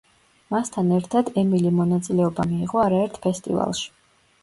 მასთან ერთად ემილიმ მონაწილეობა მიიღო არაერთ ფესტივალში.